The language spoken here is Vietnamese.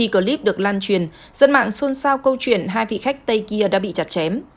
clip được lan truyền dân mạng xôn xao câu chuyện hai vị khách tây kia đã bị chặt chém